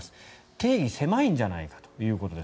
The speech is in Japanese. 定義が狭いんじゃないかということです。